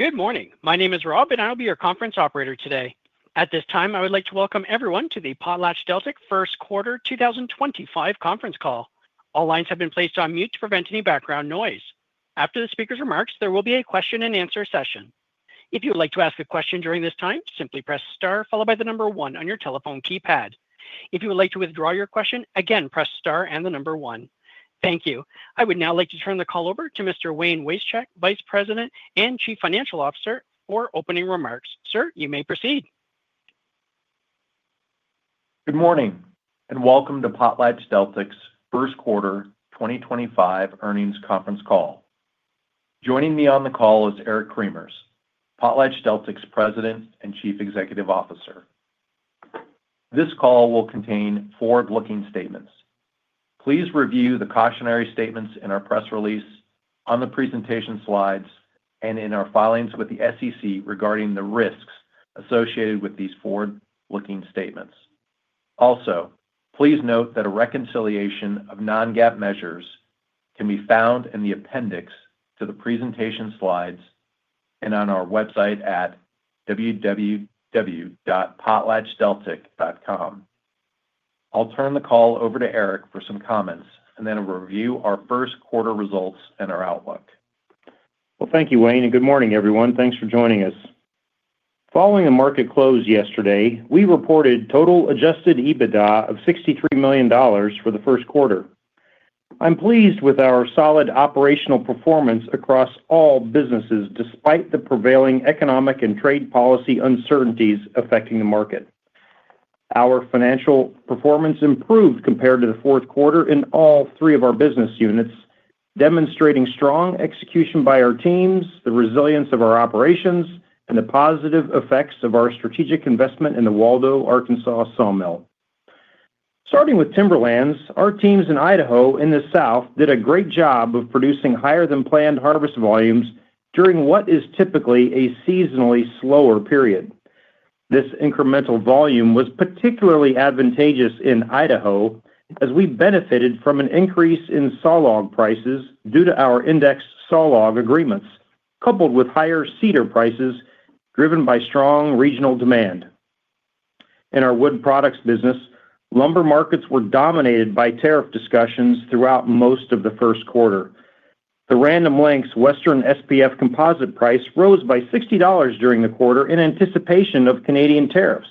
Good morning. My name is Rob, and I'll be your conference operator today. At this time, I would like to welcome everyone to the PotlatchDeltic First Quarter 2025 conference call. All lines have been placed on mute to prevent any background noise. After the speaker's remarks, there will be a question-and-answer session. If you would like to ask a question during this time, simply press star followed by the number one on your telephone keypad. If you would like to withdraw your question, again, press star and the number one. Thank you. I would now like to turn the call over to Mr. Wayne Wasechek, Vice President and Chief Financial Officer, for opening remarks. Sir, you may proceed. Good morning and welcome to PotlatchDeltic's First Quarter 2025 earnings conference call. Joining me on the call is Eric Cremers, PotlatchDeltic's President and Chief Executive Officer. This call will contain forward-looking statements. Please review the cautionary statements in our press release, on the presentation slides, and in our filings with the SEC regarding the risks associated with these forward-looking statements. Also, please note that a reconciliation of non-GAAP measures can be found in the appendix to the presentation slides and on our website at www.potlatchdeltic.com. I'll turn the call over to Eric for some comments and then review our first quarter results and our outlook. Thank you, Wayne, and good morning, everyone. Thanks for joining us. Following the market close yesterday, we reported total adjusted EBITDA of $63 million for the first quarter. I'm pleased with our solid operational performance across all businesses despite the prevailing economic and trade policy uncertainties affecting the market. Our financial performance improved compared to the fourth quarter in all three of our business units, demonstrating strong execution by our teams, the resilience of our operations, and the positive effects of our strategic investment in the Waldo, Arkansas sawmill. Starting with timberlands, our teams in Idaho and the South did a great job of producing higher-than-planned harvest volumes during what is typically a seasonally slower period. This incremental volume was particularly advantageous in Idaho as we benefited from an increase in saw log prices due to our indexed saw log agreements, coupled with higher cedar prices driven by strong regional demand. In our wood products business, lumber markets were dominated by tariff discussions throughout most of the first quarter. The Random Lengths Western SPF composite price rose by $60 during the quarter in anticipation of Canadian tariffs.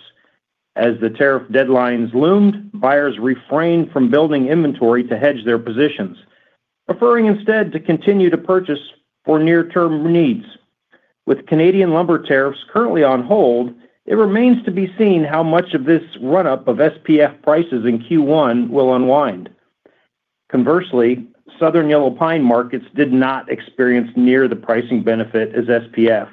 As the tariff deadlines loomed, buyers refrained from building inventory to hedge their positions, preferring instead to continue to purchase for near-term needs. With Canadian lumber tariffs currently on hold, it remains to be seen how much of this run-up of SPF prices in Q1 will unwind. Conversely, Southern Yellow Pine markets did not experience near the pricing benefit as SPF.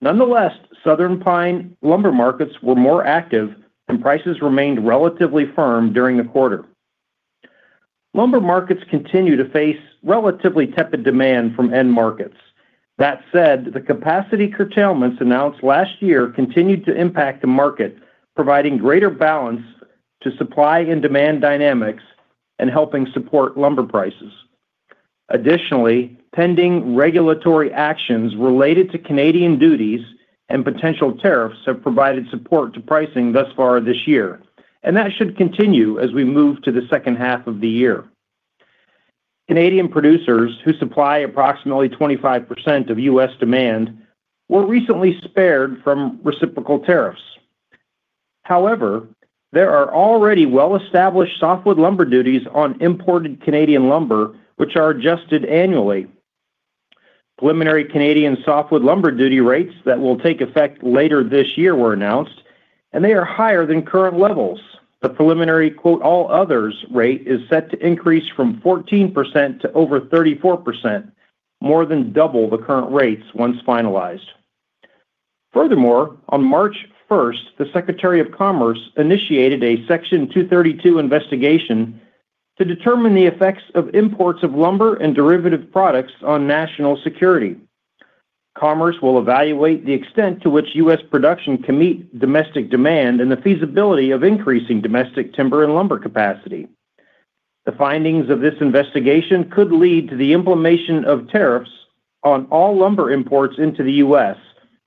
Nonetheless, southern pine lumber markets were more active, and prices remained relatively firm during the quarter. Lumber markets continue to face relatively tepid demand from end markets. That said, the capacity curtailments announced last year continued to impact the market, providing greater balance to supply and demand dynamics and helping support lumber prices. Additionally, pending regulatory actions related to Canadian duties and potential tariffs have provided support to pricing thus far this year, and that should continue as we move to the second half of the year. Canadian producers who supply approximately 25% of U.S. demand were recently spared from reciprocal tariffs. However, there are already well-established softwood lumber duties on imported Canadian lumber, which are adjusted annually. Preliminary Canadian softwood lumber duty rates that will take effect later this year were announced, and they are higher than current levels. The preliminary "all others" rate is set to increase from 14% to over 34%, more than double the current rates once finalized. Furthermore, on March 1st, the Secretary of Commerce initiated a Section 232 investigation to determine the effects of imports of lumber and derivative products on national security. Commerce will evaluate the extent to which U.S. production can meet domestic demand and the feasibility of increasing domestic timber and lumber capacity. The findings of this investigation could lead to the implementation of tariffs on all lumber imports into the U.S.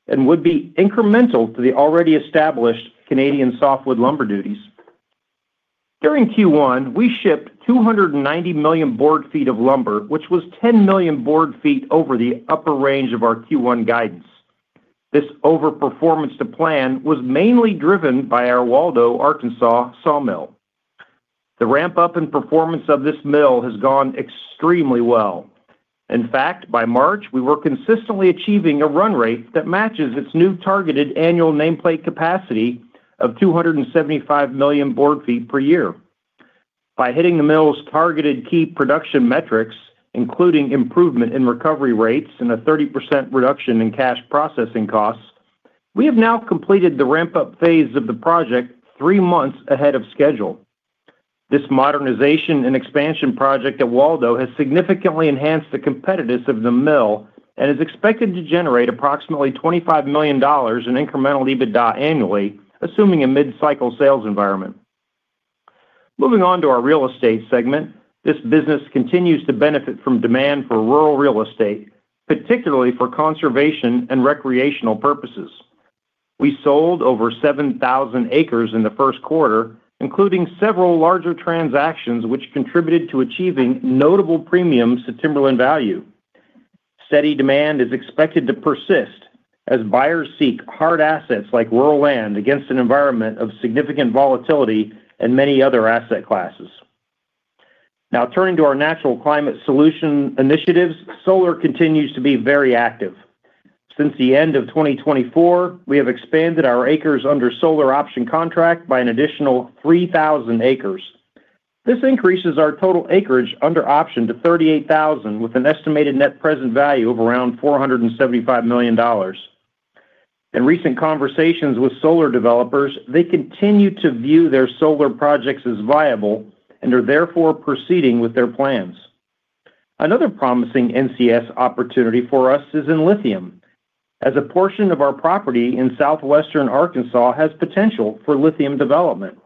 and would be incremental to the already established Canadian softwood lumber duties. During Q1, we shipped 290 million board feet of lumber, which was 10 million board feet over the upper range of our Q1 guidance. This overperformance to plan was mainly driven by our Waldo, Arkansas sawmill. The ramp-up and performance of this mill has gone extremely well. In fact, by March, we were consistently achieving a run rate that matches its new targeted annual nameplate capacity of 275 million board feet per year. By hitting the mill's targeted key production metrics, including improvement in recovery rates and a 30% reduction in cash processing costs, we have now completed the ramp-up phase of the project three months ahead of schedule. This modernization and expansion project at Waldo has significantly enhanced the competitiveness of the mill and is expected to generate approximately $25 million in incremental EBITDA annually, assuming a mid-cycle sales environment. Moving on to our real estate segment, this business continues to benefit from demand for rural real estate, particularly for conservation and recreational purposes. We sold over 7,000 acres in the first quarter, including several larger transactions which contributed to achieving notable premiums to timberland value. Steady demand is expected to persist as buyers seek hard assets like rural land against an environment of significant volatility in many other asset classes. Now, turning to our natural climate solution initiatives, solar continues to be very active. Since the end of 2024, we have expanded our acres under solar option contract by an additional 3,000 acres. This increases our total acreage under option to 38,000 acres, with an estimated net present value of around $475 million. In recent conversations with solar developers, they continue to view their solar projects as viable and are therefore proceeding with their plans. Another promising NCS opportunity for us is in lithium, as a portion of our property in southwestern Arkansas has potential for lithium development.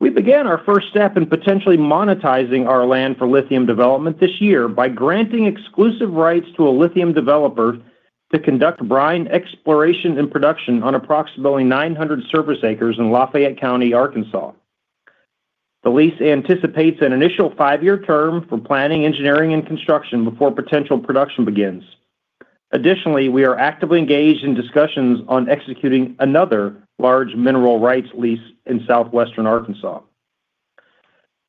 We began our first step in potentially monetizing our land for lithium development this year by granting exclusive rights to a lithium developer to conduct brine exploration and production on approximately 900 surface acres in Lafayette County, Arkansas. The lease anticipates an initial five-year term for planning, engineering, and construction before potential production begins. Additionally, we are actively engaged in discussions on executing another large mineral rights lease in southwestern Arkansas.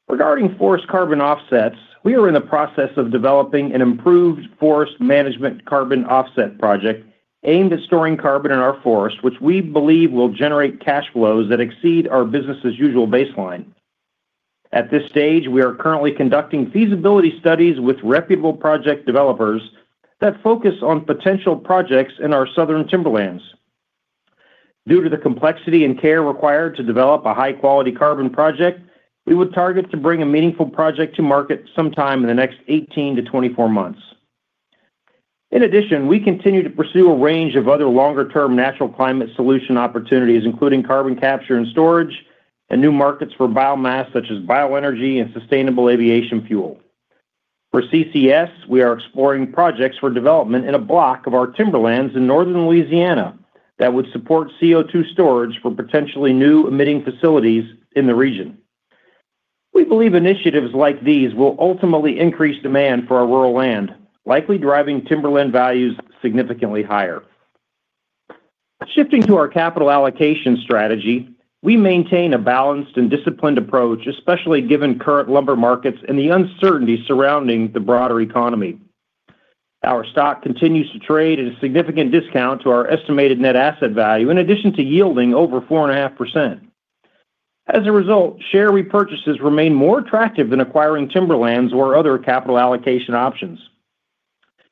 Regarding forest carbon offsets, we are in the process of developing an improved forest management carbon offset project aimed at storing carbon in our forests, which we believe will generate cash flows that exceed our business's usual baseline. At this stage, we are currently conducting feasibility studies with reputable project developers that focus on potential projects in our southern timberlands. Due to the complexity and care required to develop a high-quality carbon project, we would target to bring a meaningful project to market sometime in the next 18 months-24 months. In addition, we continue to pursue a range of other longer-term natural climate solution opportunities, including carbon capture and storage and new markets for biomass such as bioenergy and sustainable aviation fuel. For CCS, we are exploring projects for development in a block of our timberlands in northern Louisiana that would support CO2 storage for potentially new emitting facilities in the region. We believe initiatives like these will ultimately increase demand for our rural land, likely driving timberland values significantly higher. Shifting to our capital allocation strategy, we maintain a balanced and disciplined approach, especially given current lumber markets and the uncertainty surrounding the broader economy. Our stock continues to trade at a significant discount to our estimated net asset value, in addition to yielding over 4.5%. As a result, share repurchases remain more attractive than acquiring timberlands or other capital allocation options.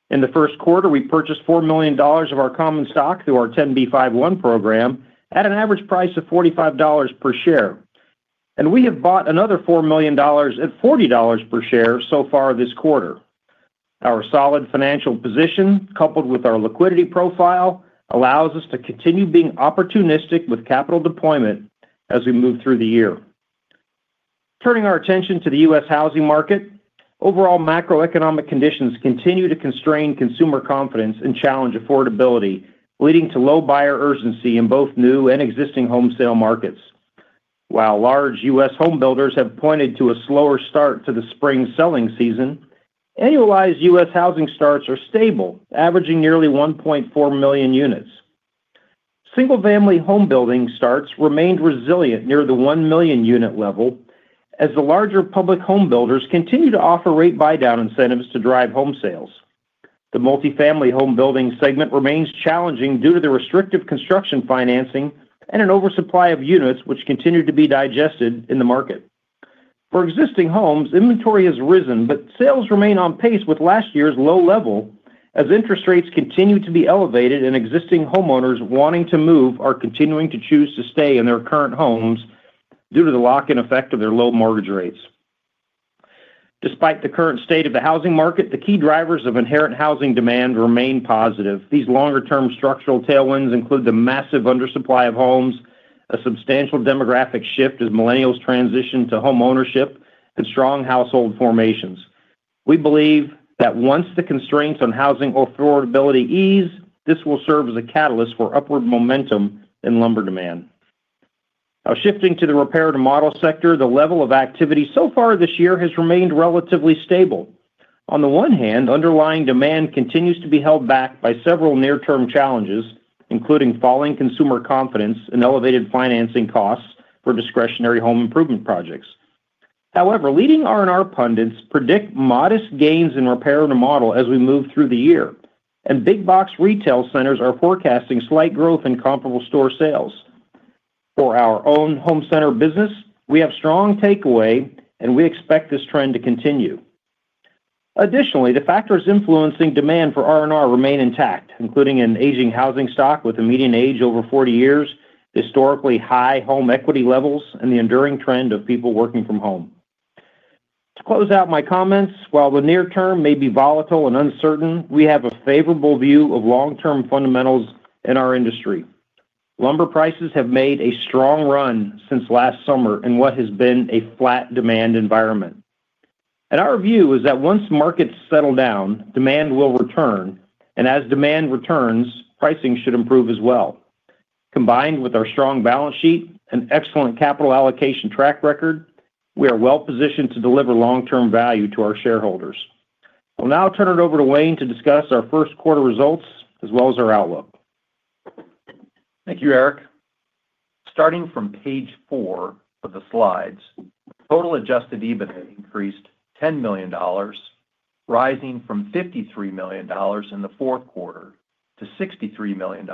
In the first quarter, we purchased $4 million of our common stock through our 10b5-1 program at an average price of $45 per share, and we have bought another $4 million at $40 per share so far this quarter. Our solid financial position, coupled with our liquidity profile, allows us to continue being opportunistic with capital deployment as we move through the year. Turning our attention to the U.S. Housing market, overall macroeconomic conditions continue to constrain consumer confidence and challenge affordability, leading to low buyer urgency in both new and existing home sale markets. While large U.S. homebuilders have pointed to a slower start to the spring selling season, annualized U.S. Housing starts are stable, averaging nearly 1.4 million units. Single-family homebuilding starts remained resilient near the 1 million unit level, as the larger public homebuilders continue to offer rate buy-down incentives to drive home sales. The multi-family homebuilding segment remains challenging due to the restrictive construction financing and an oversupply of units, which continue to be digested in the market. For existing homes, inventory has risen, but sales remain on pace with last year's low level as interest rates continue to be elevated and existing homeowners wanting to move are continuing to choose to stay in their current homes due to the lock-in effect of their low mortgage rates. Despite the current state of the housing market, the key drivers of inherent housing demand remain positive. These longer-term structural tailwinds include the massive undersupply of homes, a substantial demographic shift as millennials transition to homeownership, and strong household formations. We believe that once the constraints on housing affordability ease, this will serve as a catalyst for upward momentum in lumber demand. Now, shifting to the repair and remodel sector, the level of activity so far this year has remained relatively stable. On the one hand, underlying demand continues to be held back by several near-term challenges, including falling consumer confidence and elevated financing costs for discretionary home improvement projects. However, leading R&R pundits predict modest gains in repair and remodel as we move through the year, and big box retail centers are forecasting slight growth in comparable store sales. For our own home center business, we have strong takeaway, and we expect this trend to continue. Additionally, the factors influencing demand for R&R remain intact, including an aging housing stock with a median age over 40 years, historically high home equity levels, and the enduring trend of people working from home. To close out my comments, while the near term may be volatile and uncertain, we have a favorable view of long-term fundamentals in our industry. Lumber prices have made a strong run since last summer in what has been a flat demand environment. Our view is that once markets settle down, demand will return, and as demand returns, pricing should improve as well. Combined with our strong balance sheet and excellent capital allocation track record, we are well positioned to deliver long-term value to our shareholders. I'll now turn it over to Wayne to discuss our first quarter results as well as our outlook. Thank you, Eric. Starting from page four of the slides, total adjusted EBITDA increased $10 million, rising from $53 million in the fourth quarter to $63 million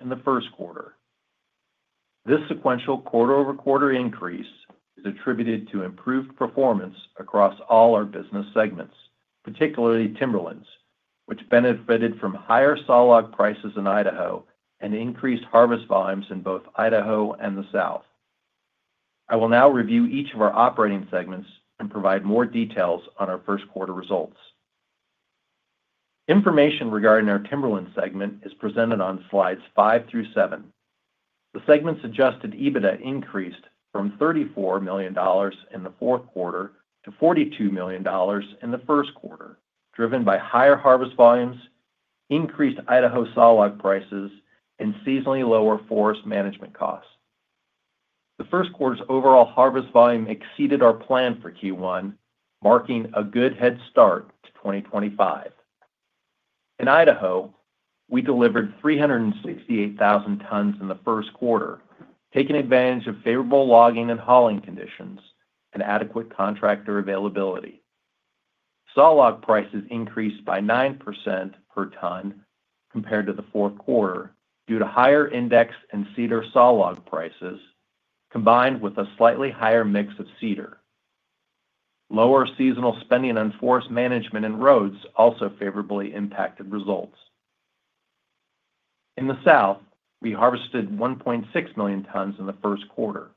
in the first quarter. This sequential quarter-over-quarter increase is attributed to improved performance across all our business segments, particularly timberlands, which benefited from higher saw log prices in Idaho and increased harvest volumes in both Idaho and the South. I will now review each of our operating segments and provide more details on our first quarter results. Information regarding our timberland segment is presented on slides five through seven. The segment's adjusted EBITDA increased from $34 million in the fourth quarter to $42 million in the first quarter, driven by higher harvest volumes, increased Idaho saw log prices, and seasonally lower forest management costs. The first quarter's overall harvest volume exceeded our plan for Q1, marking a good head start to 2025. In Idaho, we delivered 368,000 tons in the first quarter, taking advantage of favorable logging and hauling conditions and adequate contractor availability. Saw log prices increased by 9% per ton compared to the fourth quarter due to higher index and cedar saw log prices, combined with a slightly higher mix of cedar. Lower seasonal spending on forest management and roads also favorably impacted results. In the South, we harvested 1.6 million tons in the first quarter,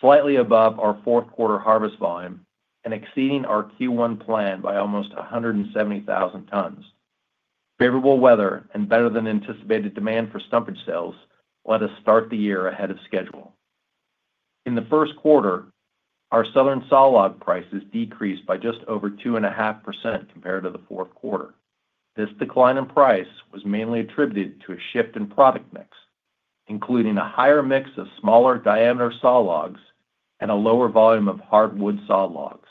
slightly above our fourth quarter harvest volume and exceeding our Q1 plan by almost 170,000 tons. Favorable weather and better than anticipated demand for stumpage sales let us start the year ahead of schedule. In the first quarter, our southern saw log prices decreased by just over 2.5% compared to the fourth quarter. This decline in price was mainly attributed to a shift in product mix, including a higher mix of smaller diameter saw logs and a lower volume of hardwood saw logs.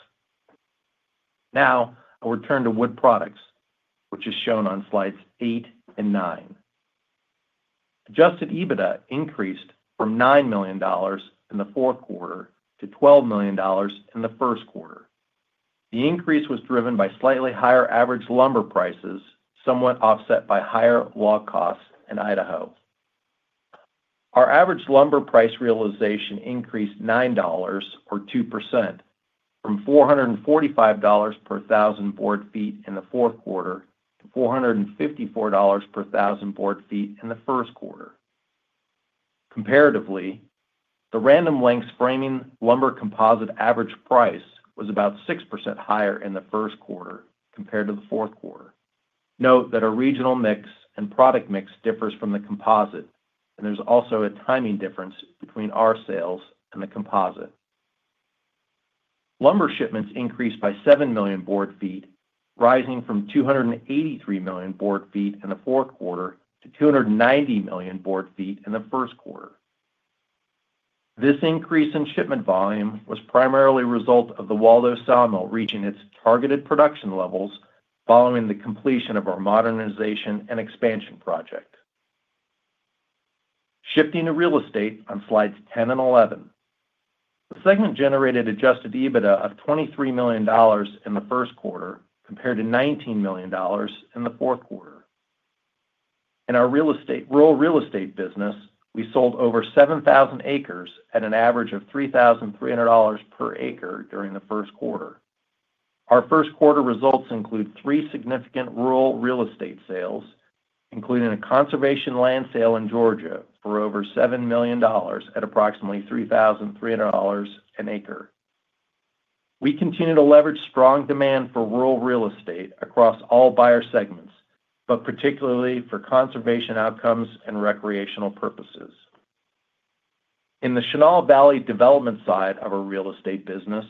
Now, I'll return to wood products, which is shown on slides eight and nine. Adjusted EBITDA increased from $9 million in the fourth quarter to $12 million in the first quarter. The increase was driven by slightly higher average lumber prices, somewhat offset by higher log costs in Idaho. Our average lumber price realization increased $9 or 2% from $445 per thousand board feet in the fourth quarter to $454 per thousand board feet in the first quarter. Comparatively, the Random Lengths framing lumber composite average price was about 6% higher in the first quarter compared to the fourth quarter. Note that our regional mix and product mix differs from the composite, and there is also a timing difference between our sales and the composite. Lumber shipments increased by 7 million board feet, rising from 283 million board feet in the fourth quarter to 290 million board feet in the first quarter. This increase in shipment volume was primarily a result of the Waldo sawmill reaching its targeted production levels following the completion of our modernization and expansion project. Shifting to real estate on slides 10 and 11, the segment generated adjusted EBITDA of $23 million in the first quarter compared to $19 million in the fourth quarter. In our rural real estate business, we sold over 7,000 acres at an average of $3,300 per acre during the first quarter. Our first quarter results include three significant rural real estate sales, including a conservation land sale in Georgia for over $7 million at approximately $3,300 an acre. We continue to leverage strong demand for rural real estate across all buyer segments, but particularly for conservation outcomes and recreational purposes. In the Chenal Valley development side of our real estate business,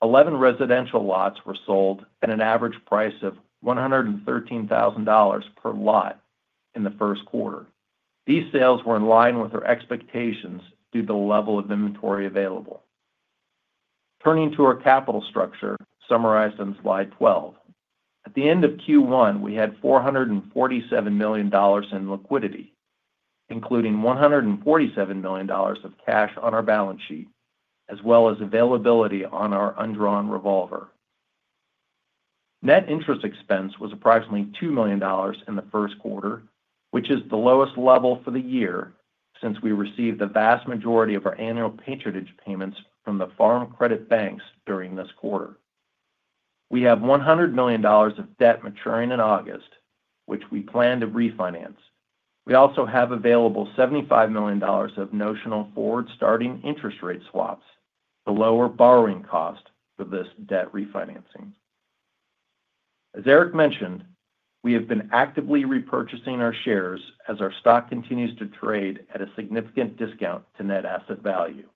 11 residential lots were sold at an average price of $113,000 per lot in the first quarter. These sales were in line with our expectations due to the level of inventory available. Turning to our capital structure summarized on slide 12, at the end of Q1, we had $447 million in liquidity, including $147 million of cash on our balance sheet, as well as availability on our undrawn revolver. Net interest expense was approximately $2 million in the first quarter, which is the lowest level for the year since we received the vast majority of our annual patronage payments from the Farm Credit Banks during this quarter. We have $100 million of debt maturing in August, which we plan to refinance. We also have available $75 million of notional forward-starting interest rate swaps, the lower borrowing cost of this debt refinancing. As Eric mentioned, we have been actively repurchasing our shares as our stock continues to trade at a significant discount to net asset value.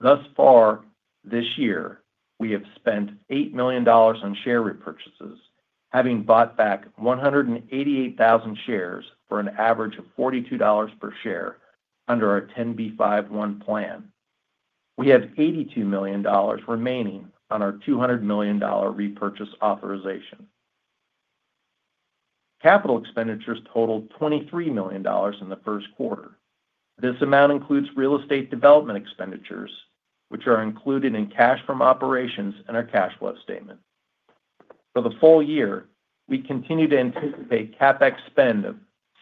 Thus far, this year, we have spent $8 million on share repurchases, having bought back 188,000 shares for an average of $42 per share under our 10b5-1 plan. We have $82 million remaining on our $200 million repurchase authorization. Capital expenditures totaled $23 million in the first quarter. This amount includes real estate development expenditures, which are included in cash from operations in our cash flow statement. For the full year, we continue to anticipate CapEx spend of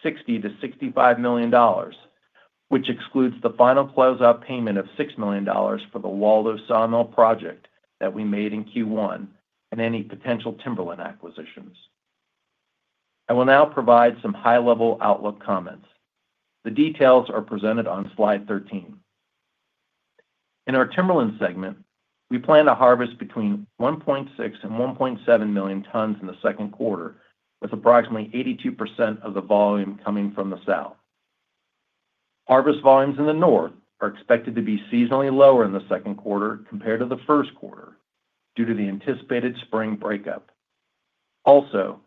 $60 million-$65 million, which excludes the final close-out payment of $6 million for the Waldo sawmill project that we made in Q1 and any potential timberland acquisitions. I will now provide some high-level outlook comments. The details are presented on slide 13. In our timberland segment, we plan to harvest between 1.6 million and 1.7 million tons in the second quarter, with approximately 82% of the volume coming from the South. Harvest volumes in the North are expected to be seasonally lower in the second quarter compared to the first quarter due to the anticipated spring breakup. Also,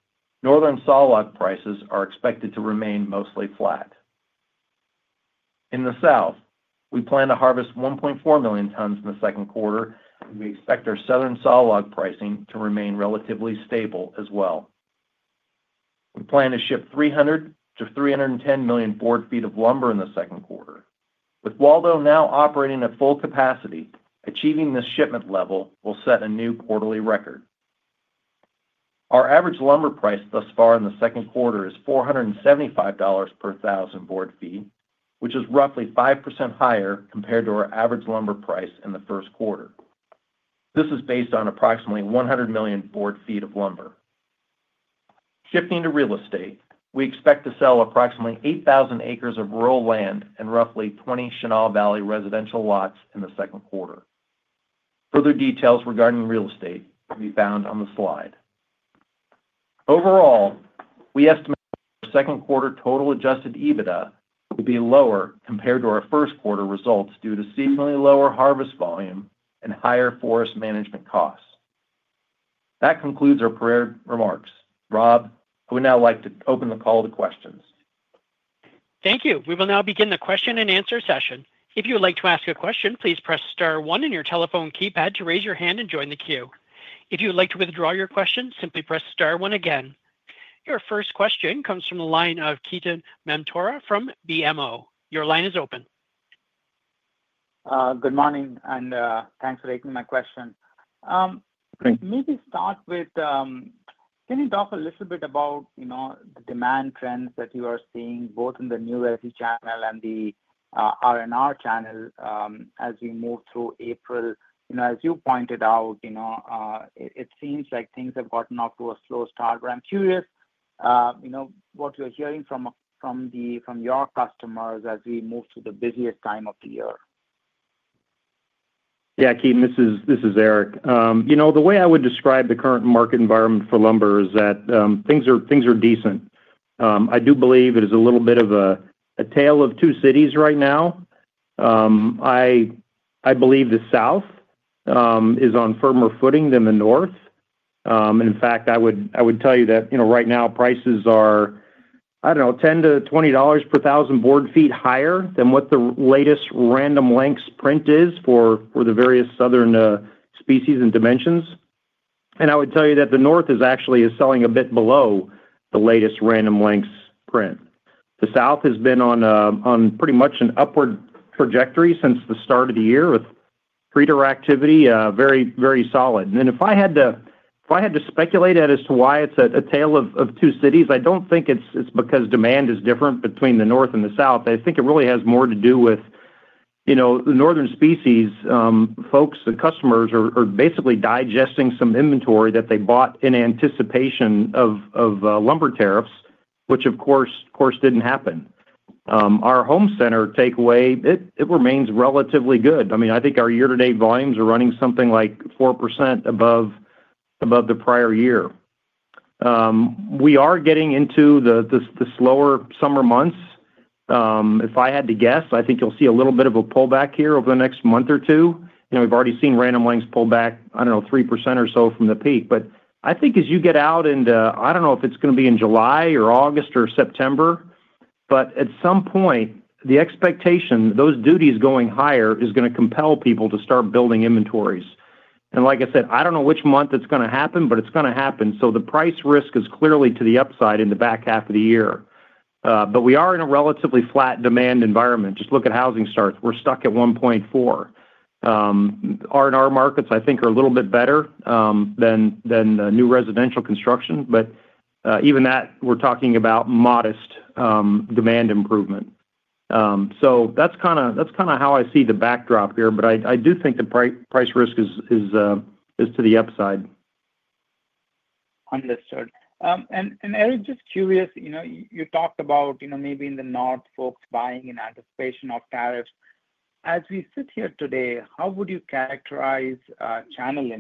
northern saw log prices are expected to remain mostly flat. In the South, we plan to harvest 1.4 million tons in the second quarter, and we expect our southern saw log pricing to remain relatively stable as well. We plan to 300 million board feet-310 million board feet of lumber in the second quarter. With Waldo now operating at full capacity, achieving this shipment level will set a new quarterly record. Our average lumber price thus far in the second quarter is $475 per thousand board feet, which is roughly 5% higher compared to our average lumber price in the first quarter. This is based on approximately 100 million board feet of lumber. Shifting to real estate, we expect to sell approximately 8,000 acres of rural land and roughly 20 Chenal Valley residential lots in the second quarter. Further details regarding real estate can be found on the slide. Overall, we estimate our second quarter total adjusted EBITDA will be lower compared to our first quarter results due to seasonally lower harvest volume and higher forest management costs. That concludes our remarks. Rob, I would now like to open the call to questions. Thank you. We will now begin the question and answer session. If you would like to ask a question, please press star one on your telephone keypad to raise your hand and join the queue. If you would like to withdraw your question, simply press star one again. Your first question comes from the line of Ketan Mamtora from BMO. Your line is open. Good morning, and thanks for taking my question. Great. Maybe start with, can you talk a little bit about the demand trends that you are seeing both in the new energy channel and the R&R channel as we move through April? As you pointed out, it seems like things have gotten off to a slow start, but I'm curious what you're hearing from your customers as we move to the busiest time of the year. Yeah, Ketan, this is Eric. The way I would describe the current market environment for lumber is that things are decent. I do believe it is a little bit of a tale of two cities right now. I believe the South is on firmer footing than the North. In fact, I would tell you that right now, prices are, I don't know, $10-$20 per thousand board feet higher than what the latest Random Lengths print is for the various southern species and dimensions. I would tell you that the North is actually selling a bit below the latest Random Lengths print. The South has been on pretty much an upward trajectory since the start of the year with producer activity very solid. If I had to speculate as to why it's a tale of two cities, I don't think it's because demand is different between the North and the South. I think it really has more to do with the northern species. Folks, the customers are basically digesting some inventory that they bought in anticipation of lumber tariffs, which, of course, didn't happen. Our home center takeaway, it remains relatively good. I mean, I think our year-to-date volumes are running something like 4% above the prior year. We are getting into the slower summer months. If I had to guess, I think you'll see a little bit of a pullback here over the next month or two. We've already seen Random Lengths pull back, I don't know, 3% or so from the peak. I think as you get out, and I don't know if it's going to be in July or August or September, at some point, the expectation, those duties going higher is going to compel people to start building inventories. Like I said, I don't know which month it's going to happen, but it's going to happen. The price risk is clearly to the upside in the back half of the year. We are in a relatively flat demand environment. Just look at housing starts. We're stuck at 1.4. R&R markets, I think, are a little bit better than new residential construction, but even that, we're talking about modest demand improvement. That's kind of how I see the backdrop here, but I do think the price risk is to the upside. Understood. Eric, just curious, you talked about maybe in the North, folks buying in anticipation of tariffs. As we sit here today, how would you characterize channel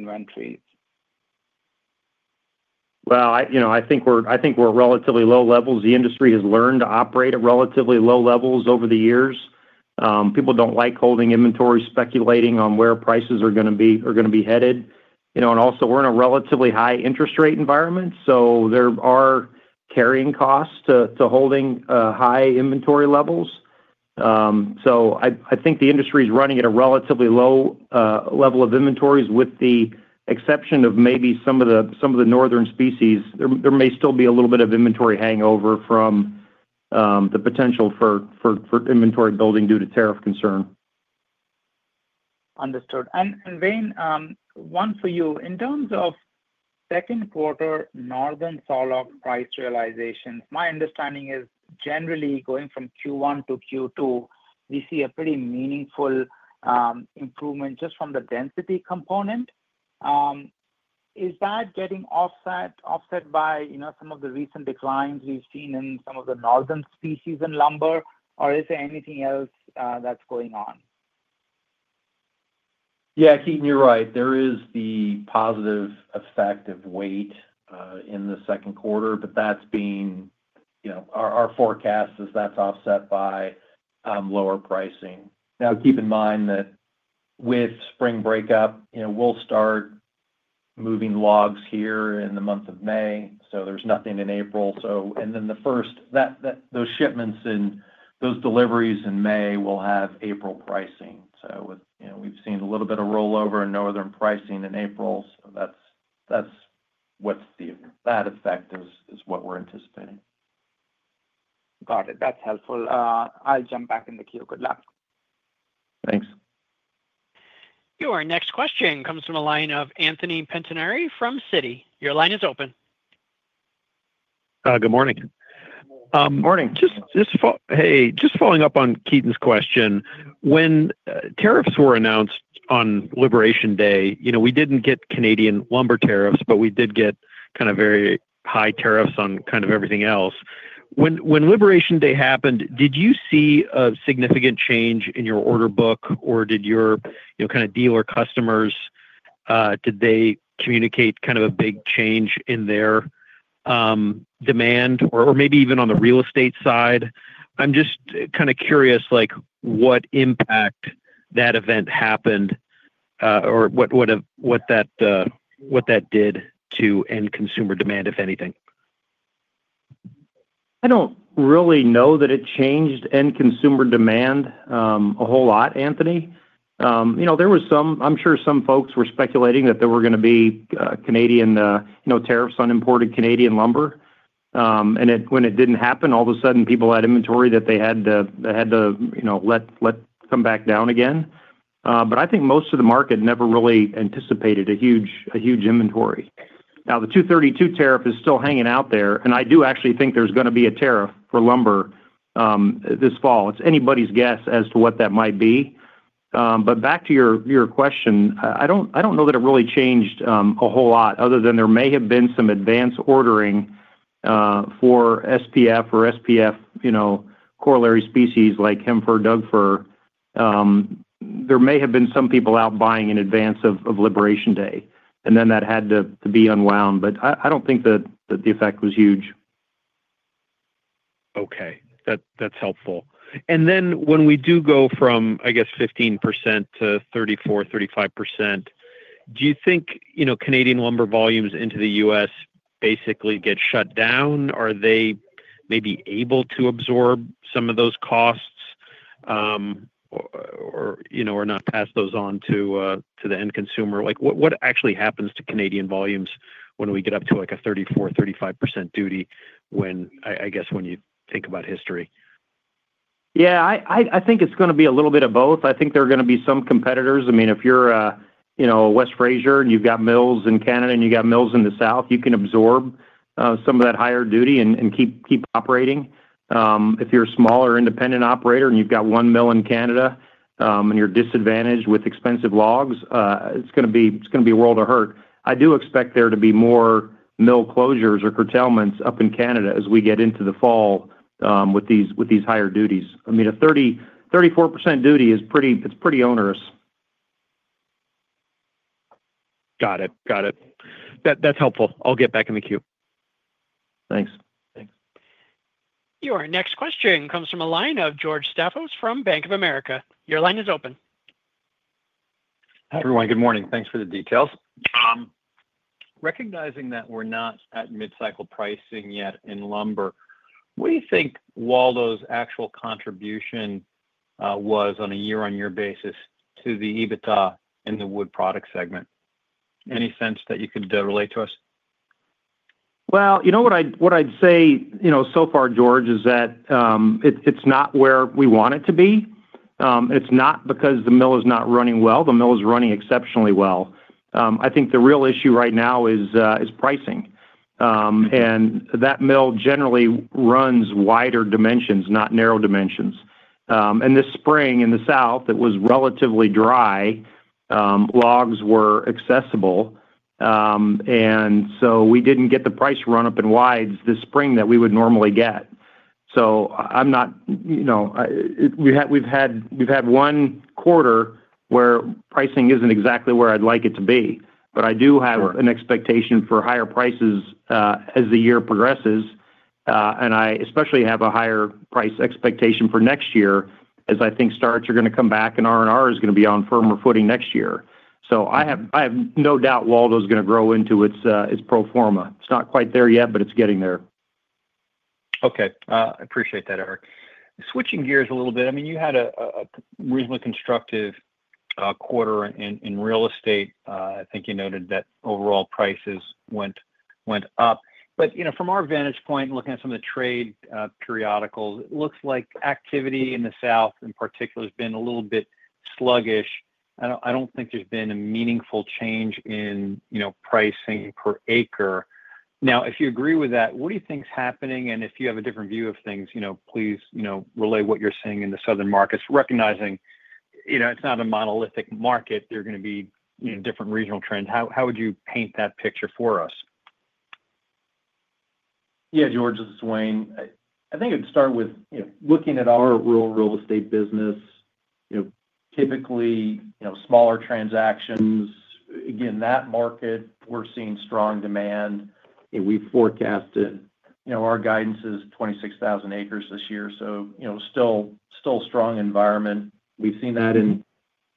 inventories? I think we're at relatively low levels. The industry has learned to operate at relatively low levels over the years. People don't like holding inventory, speculating on where prices are going to be headed. Also, we're in a relatively high interest rate environment, so there are carrying costs to holding high inventory levels. I think the industry is running at a relatively low level of inventories with the exception of maybe some of the northern species. There may still be a little bit of inventory hangover from the potential for inventory building due to tariff concern. Understood. Wayne, one for you. In terms of second quarter northern saw log price realizations, my understanding is generally going from Q1-Q2, we see a pretty meaningful improvement just from the density component. Is that getting offset by some of the recent declines we've seen in some of the northern species in lumber, or is there anything else that's going on? Yeah, Ketan, you're right. There is the positive effect of weight in the second quarter, but that's being our forecast is that's offset by lower pricing. Now, keep in mind that with spring breakup, we'll start moving logs here in the month of May, so there's nothing in April. Those shipments and those deliveries in May will have April pricing. We've seen a little bit of rollover in northern pricing in April, so that's what's the effect is what we're anticipating. Got it. That's helpful. I'll jump back in the queue. Good luck. Thanks. Your next question comes from a line of Anthony Pettinari from Citi. Your line is open. Good morning. Good morning. Hey, just following up on Ketan's question, when tariffs were announced on Liberation Day, we didn't get Canadian lumber tariffs, but we did get kind of very high tariffs on kind of everything else. When Liberation Day happened, did you see a significant change in your order book, or did your kind of dealer customers, did they communicate kind of a big change in their demand, or maybe even on the real estate side? I'm just kind of curious what impact that event happened or what that did to end consumer demand, if anything. I do not really know that it changed end consumer demand a whole lot, Anthony. There was some, I am sure some folks were speculating that there were going to be Canadian tariffs on imported Canadian lumber. When it did not happen, all of a sudden, people had inventory that they had to let come back down again. I think most of the market never really anticipated a huge inventory. Now, the 232 tariff is still hanging out there, and I do actually think there is going to be a tariff for lumber this fall. It is anybody's guess as to what that might be. Back to your question, I do not know that it really changed a whole lot other than there may have been some advance ordering for SPF or SPF corollary species like Hem-fir, Doug-fir, there may have been some people out buying in advance of Liberation Day, and then that had to be unwound. I do not think that the effect was huge. Okay. That's helpful. When we do go from, I guess, 15% to 34%-35%, do you think Canadian lumber volumes into the U.S. basically get shut down? Are they maybe able to absorb some of those costs or not pass those on to the end consumer? What actually happens to Canadian volumes when we get up to a 34%-35% duty, I guess, when you think about history? Yeah, I think it's going to be a little bit of both. I think there are going to be some competitors. I mean, if you're a West Fraser and you've got mills in Canada and you've got mills in the South, you can absorb some of that higher duty and keep operating. If you're a smaller independent operator and you've got one mill in Canada and you're disadvantaged with expensive logs, it's going to be a world of hurt. I do expect there to be more mill closures or curtailments up in Canada as we get into the fall with these higher duties. I mean, a 34% duty, it's pretty onerous. Got it. Got it. That's helpful. I'll get back in the queue. Thanks. Your next question comes from a line of George Staphos from Bank of America. Your line is open. Hi, everyone. Good morning. Thanks for the details. Recognizing that we're not at mid-cycle pricing yet in lumber, what do you think Waldo's actual contribution was on a year-on-year basis to the EBITDA in the wood product segment? Any sense that you could relate to us? You know what I'd say so far, George, is that it's not where we want it to be. It's not because the mill is not running well. The mill is running exceptionally well. I think the real issue right now is pricing. That mill generally runs wider dimensions, not narrow dimensions. This spring in the South, it was relatively dry. Logs were accessible. We did not get the price run up in widths this spring that we would normally get. I'm not—we've had one quarter where pricing isn't exactly where I'd like it to be. I do have an expectation for higher prices as the year progresses. I especially have a higher price expectation for next year as I think starts are going to come back and R&R is going to be on firmer footing next year. I have no doubt Waldo's going to grow into its pro forma. It's not quite there yet, but it's getting there. Okay. I appreciate that, Eric. Switching gears a little bit, I mean, you had a reasonably constructive quarter in real estate. I think you noted that overall prices went up. From our vantage point, looking at some of the trade periodicals, it looks like activity in the South, in particular, has been a little bit sluggish. I do not think there has been a meaningful change in pricing per acre. If you agree with that, what do you think is happening? If you have a different view of things, please relay what you are seeing in the southern markets, recognizing it is not a monolithic market. There are going to be different regional trends. How would you paint that picture for us? Yeah, George and Wayne, I think it'd start with looking at our real estate business, typically smaller transactions. Again, that market, we're seeing strong demand. We forecasted our guidance is 26,000 acres this year, so still a strong environment. We've seen that in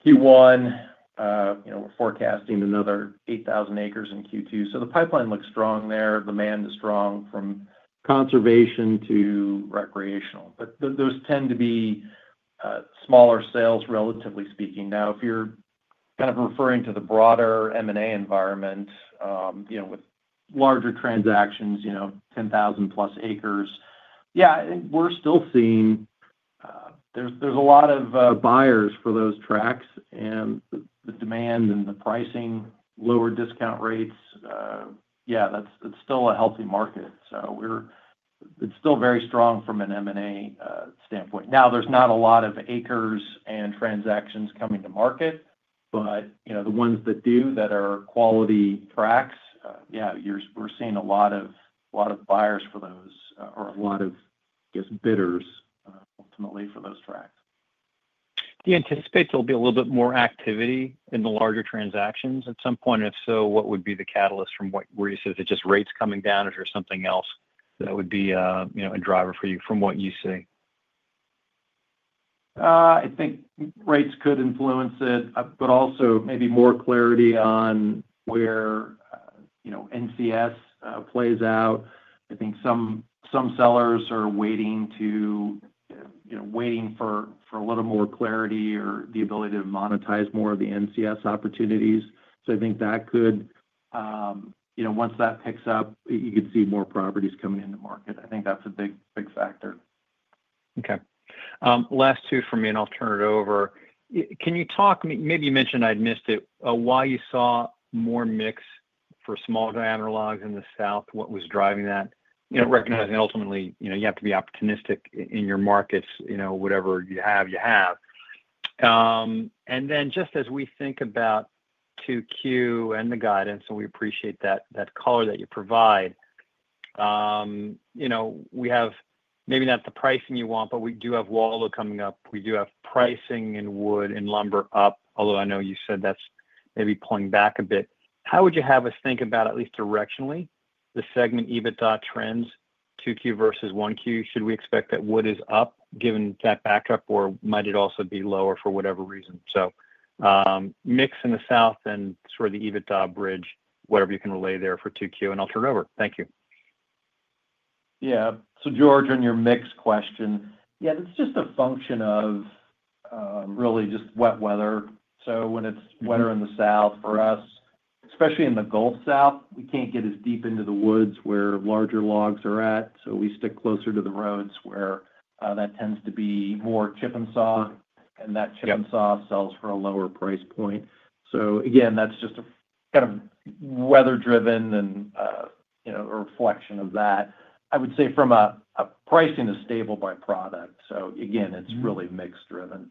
Q1. We're forecasting another 8,000 acres in Q2. The pipeline looks strong there. Demand is strong from conservation to recreational. Those tend to be smaller sales, relatively speaking. Now, if you're kind of referring to the broader M&A environment with larger transactions, 10,000+ acres, yeah, we're still seeing there's a lot of buyers for those tracts. The demand and the pricing, lower discount rates, yeah, it's still a healthy market. It's still very strong from an M&A standpoint. Now, there's not a lot of acres and transactions coming to market, but the ones that do that are quality tracts, yeah, we're seeing a lot of buyers for those or a lot of, I guess, bidders ultimately for those tracts. Do you anticipate there'll be a little bit more activity in the larger transactions at some point? If so, what would be the catalyst from what you see? Is it just rates coming down, or is there something else that would be a driver for you from what you see? I think rates could influence it, but also maybe more clarity on where NCS plays out. I think some sellers are waiting for a little more clarity or the ability to monetize more of the NCS opportunities. I think that could, once that picks up, you could see more properties coming into market. I think that's a big factor. Okay. Last two from me, and I'll turn it over. Can you talk—maybe you mentioned I missed it—why you saw more mix for small granular logs in the South? What was driving that? Recognizing ultimately you have to be opportunistic in your markets. Whatever you have, you have. Just as we think about 2Q and the guidance, and we appreciate that color that you provide, we have maybe not the pricing you want, but we do have Waldo coming up. We do have pricing in wood and lumber up, although I know you said that's maybe pulling back a bit. How would you have us think about, at least directionally, the segment EBITDA trends 2Q versus 1Q? Should we expect that wood is up given that backup, or might it also be lower for whatever reason? Mix in the South and sort of the EBITDA bridge, whatever you can relay there for 2Q, and I'll turn it over. Thank you. Yeah. George, on your mix question, that's just a function of really just wet weather. When it's wetter in the South for us, especially in the Gulf South, we can't get as deep into the woods where larger logs are at. We stick closer to the roads where that tends to be more chip and saw, and that chip and saw sells for a lower price point. That's just kind of weather-driven and a reflection of that. I would say from a pricing standpoint, it's stable by product. It's really mix-driven.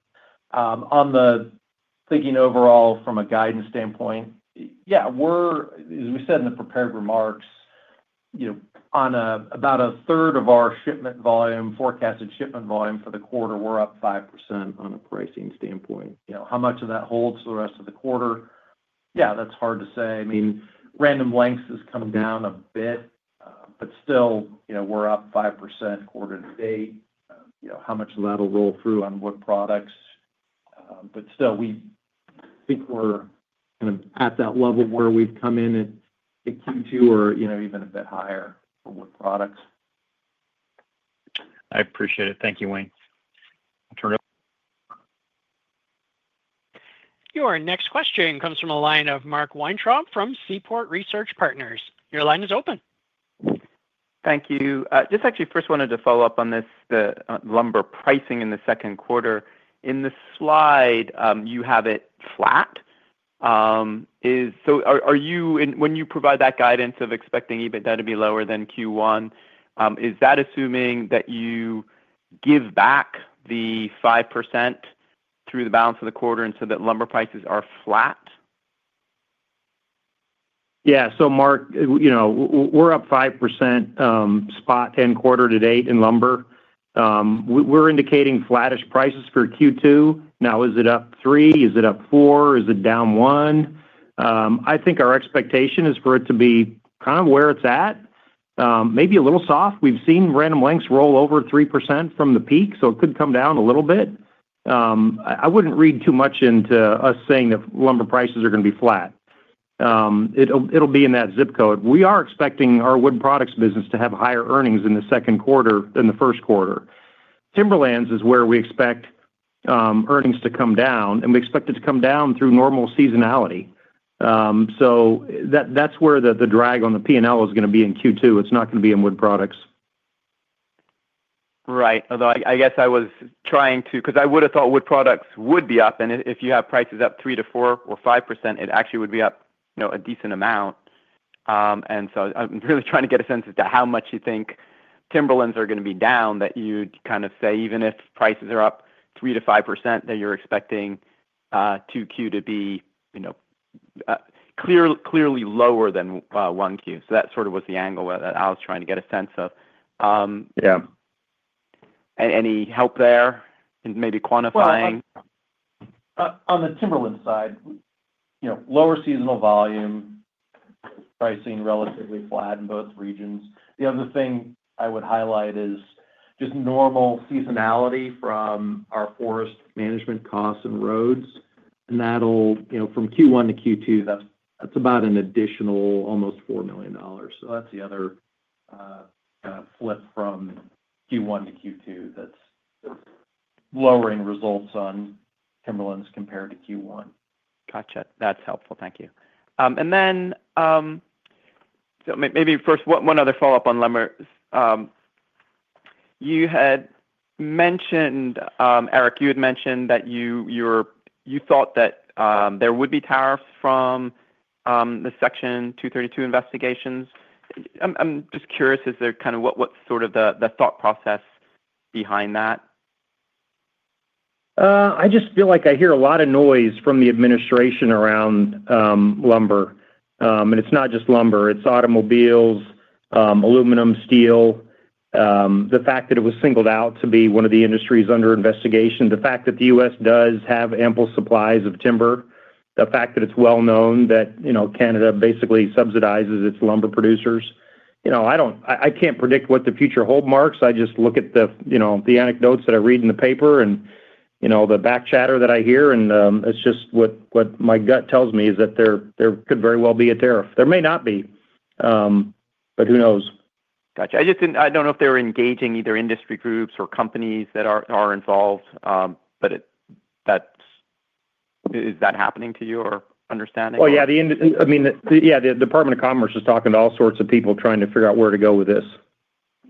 Thinking overall from a guidance standpoint, as we said in the prepared remarks, on about a third of our shipment volume, forecasted shipment volume for the quarter, we're up 5% on a pricing standpoint. How much of that holds for the rest of the quarter? That's hard to say. I mean, Random Lengths has come down a bit, but still we're up 5% quarter to date. How much of that will roll through on wood products? Still, we think we're kind of at that level where we've come in at Q2 or even a bit higher for wood products. I appreciate it. Thank you, Wayne. I'll turn it over. Your next question comes from a line of Mark Weintraub from Seaport Research Partners. Your line is open. Thank you. Just actually first wanted to follow up on this, the lumber pricing in the second quarter. In the slide, you have it flat. When you provide that guidance of expecting EBITDA to be lower than Q1, is that assuming that you give back the 5% through the balance of the quarter and so that lumber prices are flat? Yeah. Mark, we're up 5% spot end quarter to date in lumber. We're indicating flattish prices for Q2. Now, is it up 3%? Is it up 4%? Is it down 1%? I think our expectation is for it to be kind of where it's at, maybe a little soft. We've seen Random Lengths roll over 3% from the peak, so it could come down a little bit. I wouldn't read too much into us saying that lumber prices are going to be flat. It'll be in that zip code. We are expecting our wood products business to have higher earnings in the second quarter than the first quarter. Timberlands is where we expect earnings to come down, and we expect it to come down through normal seasonality. That's where the drag on the P&L is going to be in Q2. It's not going to be in wood products. Right. Although I guess I was trying to because I would have thought wood products would be up. If you have prices up 3%-4% or 5%, it actually would be up a decent amount. I am really trying to get a sense as to how much you think Timberlands are going to be down that you'd kind of say, even if prices are up 3%-5%, that you're expecting Q2 to be clearly lower than Q1. That sort of was the angle that I was trying to get a sense of. Yeah. Any help there in maybe quantifying? On the Timberlands side, lower seasonal volume, pricing relatively flat in both regions. The other thing I would highlight is just normal seasonality from our forest management costs and roads. That'll, from Q1-Q2, that's about an additional almost $4 million. That's the other kind of flip from Q1-Q2 that's lowering results on Timberlands compared to Q1. Gotcha. That's helpful. Thank you. Maybe first, one other follow-up on lumber. You had mentioned, Eric, you had mentioned that you thought that there would be tariffs from the Section 232 investigations. I'm just curious, is there kind of what's sort of the thought process behind that? I just feel like I hear a lot of noise from the administration around lumber. It's not just lumber. It's automobiles, aluminum, steel. The fact that it was singled out to be one of the industries under investigation. The fact that the U.S. does have ample supplies of timber. The fact that it's well known that Canada basically subsidizes its lumber producers. I can't predict what the future holds, Mark. I just look at the anecdotes that I read in the paper and the back chatter that I hear. It's just what my gut tells me is that there could very well be a tariff. There may not be, but who knows? Gotcha. I don't know if they're engaging either industry groups or companies that are involved, but is that happening to your understanding? Oh, yeah. I mean, yeah, the Department of Commerce is talking to all sorts of people trying to figure out where to go with this.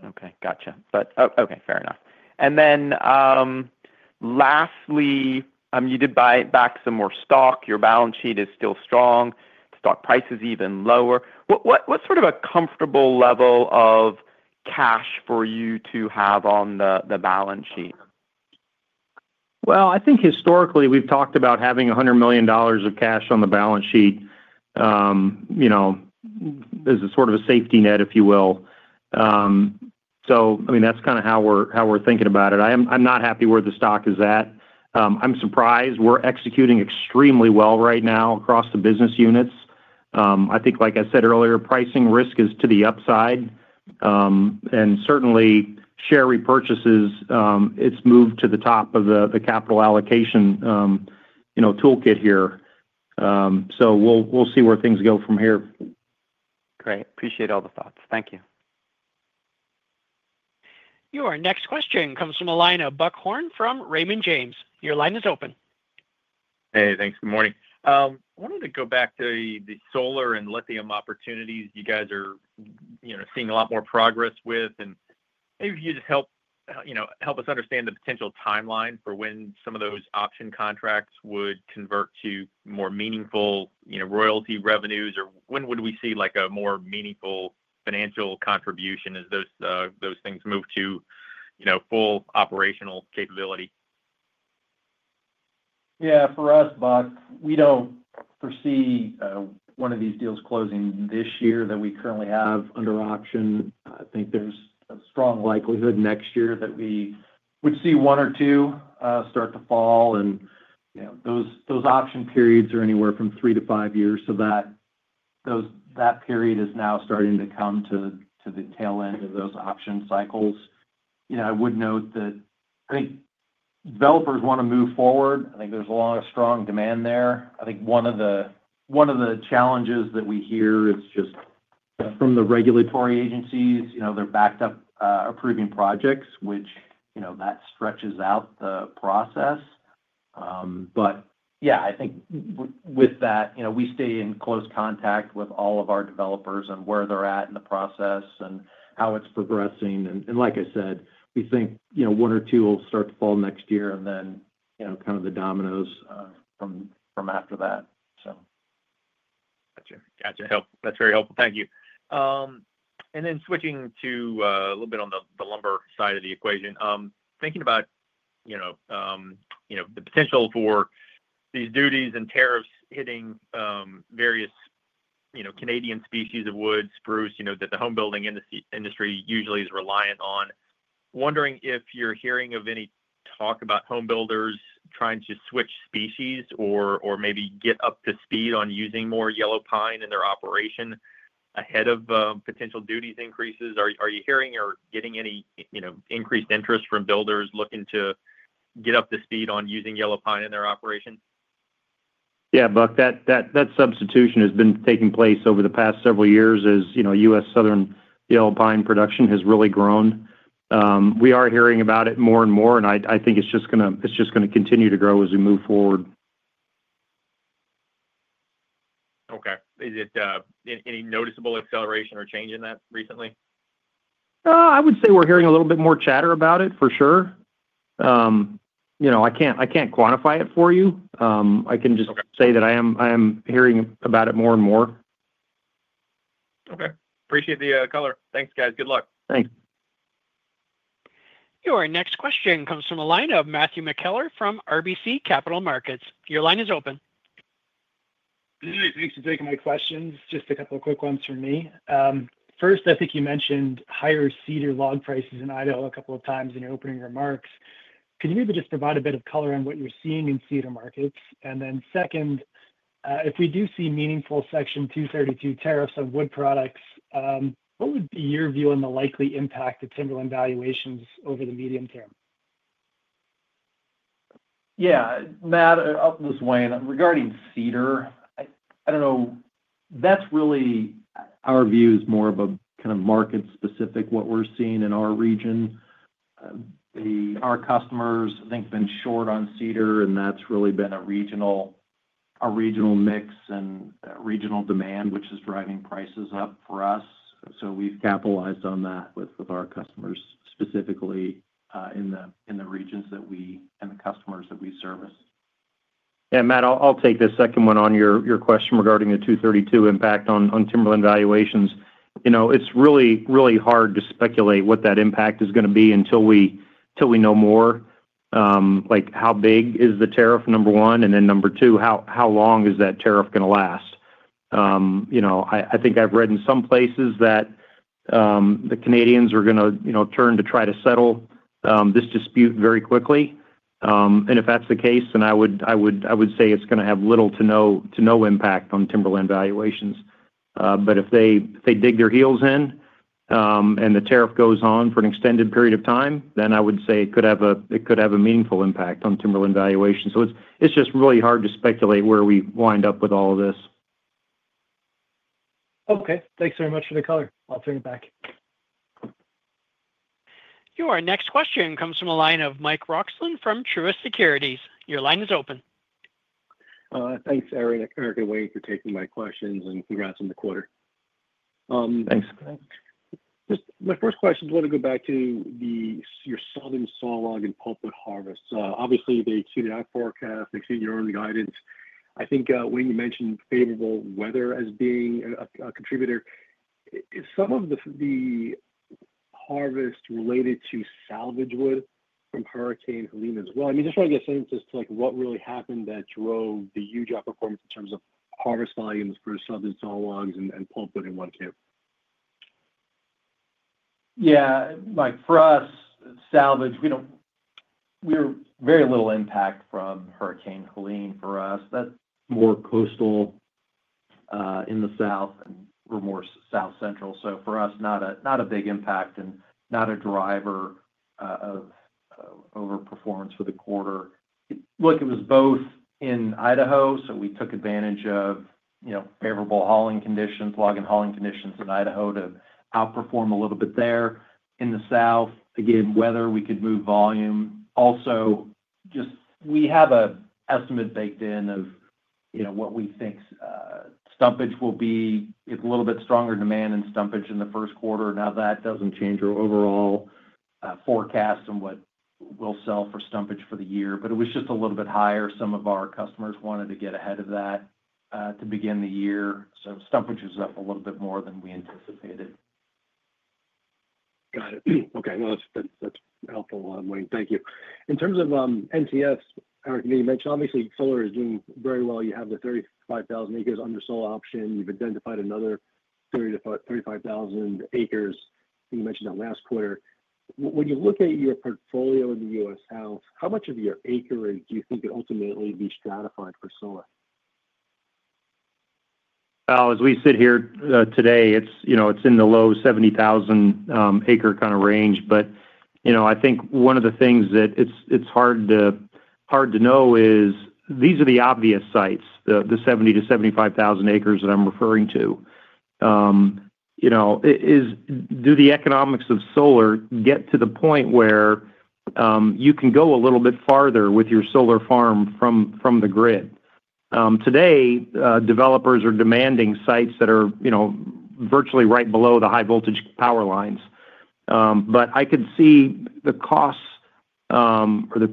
Okay. Gotcha. Okay. Fair enough. Lastly, you did buy back some more stock. Your balance sheet is still strong. Stock price is even lower. What's sort of a comfortable level of cash for you to have on the balance sheet? I think historically we've talked about having $100 million of cash on the balance sheet as a sort of a safety net, if you will. I mean, that's kind of how we're thinking about it. I'm not happy where the stock is at. I'm surprised. We're executing extremely well right now across the business units. I think, like I said earlier, pricing risk is to the upside. Certainly, share repurchases, it's moved to the top of the capital allocation toolkit here. We'll see where things go from here. Great. Appreciate all the thoughts. Thank you. Your next question comes from Buck Horne from Raymond James. Your line is open. Hey, thanks. Good morning. I wanted to go back to the solar and lithium opportunities you guys are seeing a lot more progress with. Maybe if you just help us understand the potential timeline for when some of those option contracts would convert to more meaningful royalty revenues, or when would we see a more meaningful financial contribution as those things move to full operational capability? Yeah, for us, Buck, we do not foresee one of these deals closing this year that we currently have under option. I think there is a strong likelihood next year that we would see one or two start to fall. Those option periods are anywhere from three to five years. That period is now starting to come to the tail end of those option cycles. I would note that I think developers want to move forward. I think there is a lot of strong demand there. I think one of the challenges that we hear is just from the regulatory agencies. They are backed up approving projects, which stretches out the process. Yeah, I think with that, we stay in close contact with all of our developers and where they are at in the process and how it is progressing. Like I said, we think one or two will start to fall next year and then kind of the dominoes from after that. Gotcha. Gotcha. That's very helpful. Thank you. Switching to a little bit on the lumber side of the equation, thinking about the potential for these duties and tariffs hitting various Canadian species of wood, spruce, that the home building industry usually is reliant on, wondering if you're hearing of any talk about home builders trying to switch species or maybe get up to speed on using more yellow pine in their operation ahead of potential duties increases. Are you hearing or getting any increased interest from builders looking to get up to speed on using yellow pine in their operation? Yeah, Buck, that substitution has been taking place over the past several years as U.S. Southern Yellow Pine production has really grown. We are hearing about it more and more, and I think it's just going to continue to grow as we move forward. Okay. Is it any noticeable acceleration or change in that recently? I would say we're hearing a little bit more chatter about it for sure. I can't quantify it for you. I can just say that I am hearing about it more and more. Okay. Appreciate the color. Thanks, guys. Good luck. Thanks. Your next question comes from Matthew McKellar from RBC Capital Markets. Your line is open. Hey, thanks for taking my questions. Just a couple of quick ones from me. First, I think you mentioned higher cedar log prices in Idaho a couple of times in your opening remarks. Could you maybe just provide a bit of color on what you're seeing in cedar markets? If we do see meaningful Section 232 tariffs on wood products, what would be your view on the likely impact of timberland valuations over the medium term? Yeah. Matt, I'll just weigh in regarding cedar. I don't know. That's really our view is more of a kind of market-specific what we're seeing in our region. Our customers, I think, have been short on cedar, and that's really been a regional mix and regional demand, which is driving prices up for us. We’ve capitalized on that with our customers specifically in the regions and the customers that we service. Matt, I'll take the second one on your question regarding the 232 impact on timberland valuations. It's really, really hard to speculate what that impact is going to be until we know more. How big is the tariff, number one? Number two, how long is that tariff going to last? I think I've read in some places that the Canadians are going to turn to try to settle this dispute very quickly. If that's the case, I would say it's going to have little to no impact on timberland valuations. If they dig their heels in and the tariff goes on for an extended period of time, I would say it could have a meaningful impact on timberland valuations. It's just really hard to speculate where we wind up with all of this. Okay. Thanks very much for the color. I'll turn it back. Your next question comes from a line of Mike Roxland from Truist Securities. Your line is open. Thanks, Eric. Eric, Wayne for taking my questions and congrats on the quarter. Thanks. My first question is I want to go back to your Southern saw log and pulpwood harvest. Obviously, they exceeded our forecast. They exceeded your own guidance. I think when you mentioned favorable weather as being a contributor, some of the harvest related to salvage wood from Hurricane Helene as well. I mean, just trying to get a sense as to what really happened that drove the huger performance in terms of harvest volumes for Southern saw logs and pulpwood in one camp. Yeah. For us, salvage, we were very little impact from Hurricane Helene for us. More coastal in the South and we are more south-central. For us, not a big impact and not a driver of overperformance for the quarter. Look, it was both in Idaho, so we took advantage of favorable hauling conditions, log and hauling conditions in Idaho to outperform a little bit there. In the South, again, weather, we could move volume. Also, just we have an estimate baked in of what we think stumpage will be. It is a little bit stronger demand in stumpage in the first quarter. Now, that does not change your overall forecast and what we will sell for stumpage for the year. It was just a little bit higher. Some of our customers wanted to get ahead of that to begin the year. Stumpage was up a little bit more than we anticipated. Got it. Okay. No, that's helpful. Thank you. In terms of NCS, Eric, you mentioned obviously solar is doing very well. You have the 35,000 acres under solar option. You've identified another 35,000 acres. You mentioned that last quarter. When you look at your portfolio in the U.S. South, how much of your acreage do you think could ultimately be stratified for solar? As we sit here today, it's in the low 70,000 acre kind of range. I think one of the things that it's hard to know is these are the obvious sites, the 70,000 acres-75,000 acres that I'm referring to. Do the economics of solar get to the point where you can go a little bit farther with your solar farm from the grid? Today, developers are demanding sites that are virtually right below the high-voltage power lines. I could see the costs or the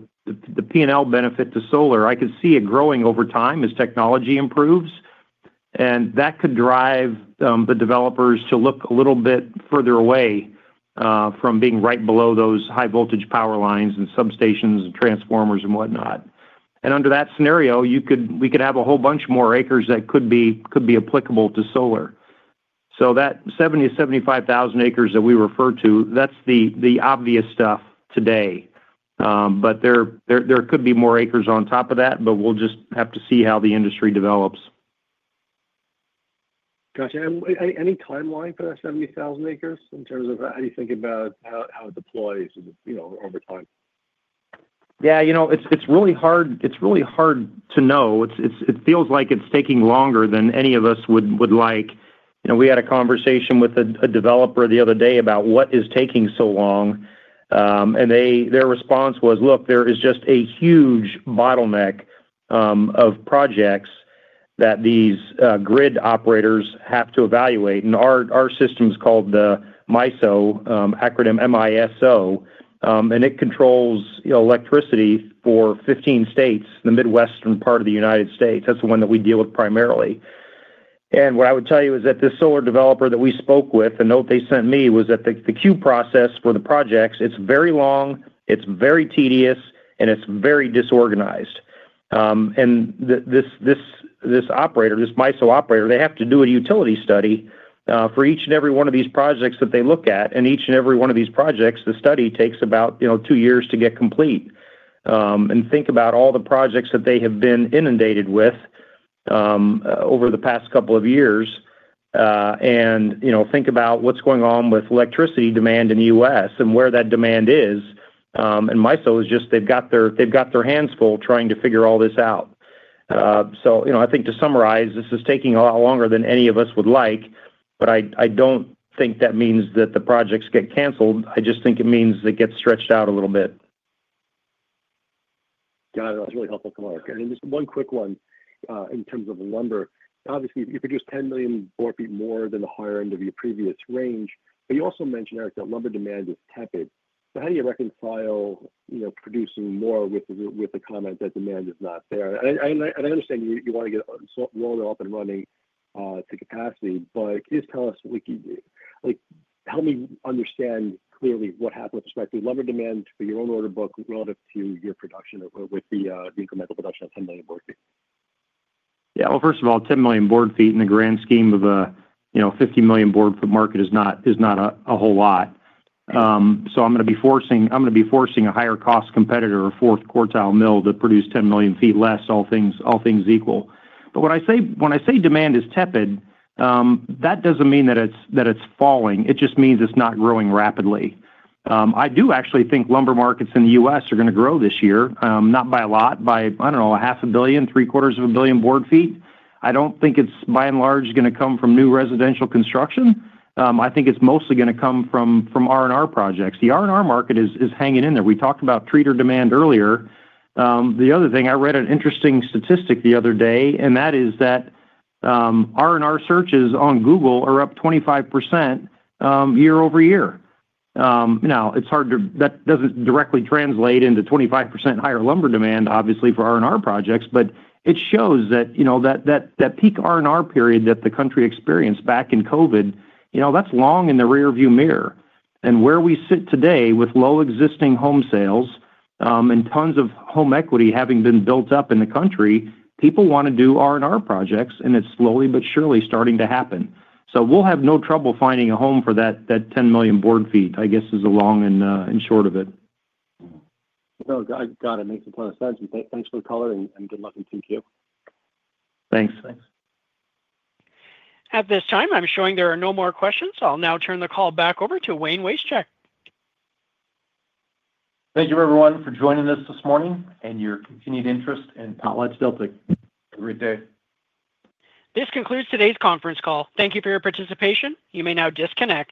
P&L benefit to solar, I could see it growing over time as technology improves. That could drive the developers to look a little bit further away from being right below those high-voltage power lines and substations and transformers and whatnot. Under that scenario, we could have a whole bunch more acres that could be applicable to solar. That 70-75,000 acres that we refer to, that's the obvious stuff today. There could be more acres on top of that, but we'll just have to see how the industry develops. Gotcha. Any timeline for that 70,000 acres in terms of how you think about how it deploys over time? Yeah. It's really hard to know. It feels like it's taking longer than any of us would like. We had a conversation with a developer the other day about what is taking so long. Their response was, "Look, there is just a huge bottleneck of projects that these grid operators have to evaluate." Our system's called the MISO, acronym M-I-S-O. It controls electricity for 15 states in the Midwestern part of the United States. That's the one that we deal with primarily. What I would tell you is that this solar developer that we spoke with, the note they sent me was that the queue process for the projects, it's very long, it's very tedious, and it's very disorganized. This operator, this MISO operator, they have to do a utility study for each and every one of these projects that they look at. Each and every one of these projects, the study takes about two years to get complete. Think about all the projects that they have been inundated with over the past couple of years. Think about what is going on with electricity demand in the U.S. and where that demand is. MISO has got their hands full trying to figure all this out. I think to summarize, this is taking a lot longer than any of us would like. I do not think that means that the projects get canceled. I just think it means it gets stretched out a little bit. Got it. That was really helpful. Come on, Eric. Just one quick one in terms of lumber. Obviously, you produce 10 million more ft more than the higher end of your previous range. You also mentioned, Eric, that lumber demand is tepid. How do you reconcile producing more with the comment that demand is not there? I understand you want to get Waldo up and running to capacity. Just tell us, help me understand clearly what happened with respect to lumber demand for your own order book relative to your production with the incremental production of 10 million board feet. Yeah. First of all, 10 million board feet in the grand scheme of a 50 million board foot market is not a whole lot. I'm going to be forcing a higher-cost competitor, a fourth quartile mill, to produce 10 million ft less, all things equal. When I say demand is tepid, that doesn't mean that it's falling. It just means it's not growing rapidly. I do actually think lumber markets in the U.S. are going to grow this year, not by a lot, by, I don't know, a half a billion, three-quarters of a billion board feet. I don't think it's by and large going to come from new residential construction. I think it's mostly going to come from R&R projects. The R&R market is hanging in there. We talked about treater demand earlier. The other thing, I read an interesting statistic the other day, and that is that R&R searches on Google are up 25% year-over-year. Now, it is hard to, that does not directly translate into 25% higher lumber demand, obviously, for R&R projects. It shows that that peak R&R period that the country experienced back in COVID, that is long in the rearview mirror. Where we sit today with low existing home sales and tons of home equity having been built up in the country, people want to do R&R projects, and it is slowly but surely starting to happen. We will have no trouble finding a home for that 10 million board feet, I guess, is the long and short of it. No, got it. Makes a ton of sense. Thanks for the color and good luck, and thank you. Thanks. Thanks. At this time, I'm showing there are no more questions. I'll now turn the call back over to Wayne Wasechek. Thank you, everyone, for joining us this morning and your continued interest in PotlatchDeltic. Have a great day. This concludes today's conference call. Thank you for your participation. You may now disconnect.